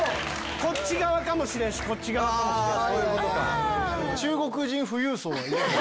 こっち側かもしれんしこっち側かもしれん。